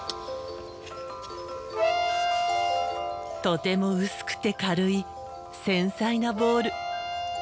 とても薄くて軽い繊細なボウル。